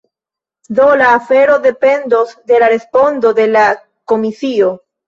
Do la afero dependos de la respondo de la komisio.